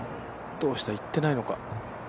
どうした行ってないのか？